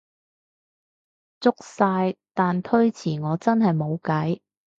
足晒，但推遲我真係無計